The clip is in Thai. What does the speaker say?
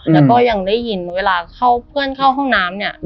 แล้วก็ยังได้ยินเวลาเข้าเพื่อนเข้าห้องน้ำเนี่ย